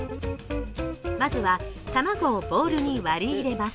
まずは卵をボウルに割り入れます。